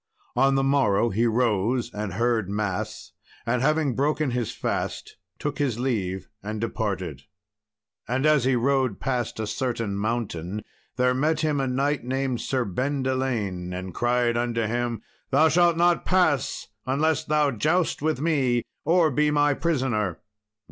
On the morrow he rose and heard mass, and having broken his fast, took his leave and departed. [Illustration: So he rode into the hall and alighted.] And as he rode past a certain mountain there met him a knight named Sir Bendelaine, and cried unto him "Thou shalt not pass unless thou joust with me or be my prisoner!"